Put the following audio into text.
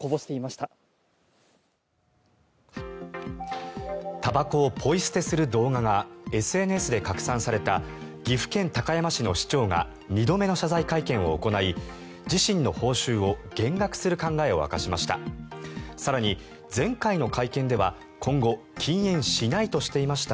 たばこをポイ捨てする動画がＳＮＳで拡散された岐阜県高山市の市長が２度目の謝罪会見を行い自身の報酬を減額する考えを明かしました。